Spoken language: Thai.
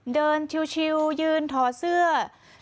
เดินชิวยืนถอดเสื้อ